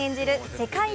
世界一